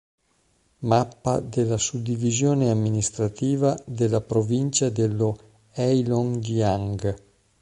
Mappa della suddivisione amministrativa della provincia dello Heilongjiang.